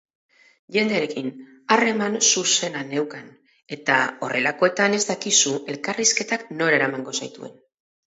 Jendearekin harreman zuzena neukan, eta horrelakoetan ez dakizu elkarrizketak nora eramango zaituen.